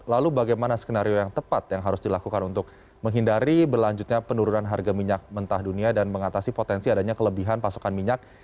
lalu bagaimana skenario yang tepat yang harus dilakukan untuk menghindari berlanjutnya penurunan harga minyak mentah dunia dan mengatasi potensi adanya kelebihan pasokan minyak